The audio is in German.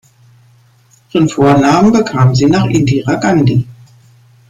Ihren Vornamen bekam sie nach Indira Gandhi.